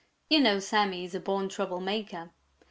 You know Sammy is a born trouble maker.